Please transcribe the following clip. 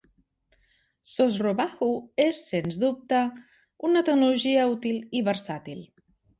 Sosrobahu és, sense dubte, una tecnologia útil i versàtil.